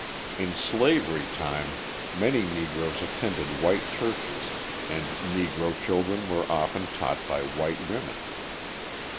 ] In slavery time many Negroes attended white churches and Negro children were often taught by white women.